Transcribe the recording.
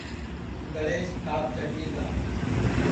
گݪیس تاپ چڈھی گا